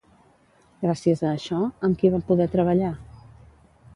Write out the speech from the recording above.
Gràcies a això, amb qui va poder treballar?